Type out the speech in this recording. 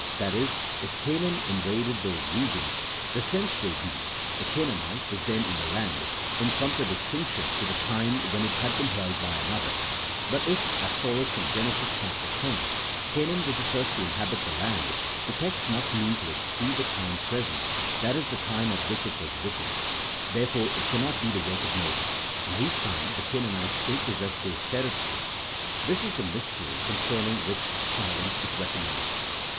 That is, if Canaan invaded those regions, the sense will be, the Canaanite was then in the land, in contradistinction to the time when it had been held by another : but if, as follows from Gen. chap. x. Canaan was the first to inhabit the land, the text must mean to exclude the time present, that is the time at which it was written ; therefore it cannot be the work of Moses, in whose time the Canaanites still possessed those territories: this is the mystery concerning which silence is recommended.